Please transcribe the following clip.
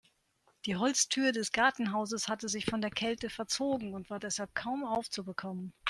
Die Holztür des Gartenhauses hatte sich von der Kälte verzogen und war deshalb kaum aufzubekommen.